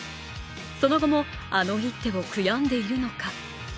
その後も、あの一手を悔やんでいるのか。